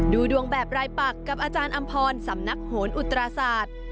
ดูดวงแบบรายปักกับอาจารย์อำพรสำนักโหนอุตราศาสตร์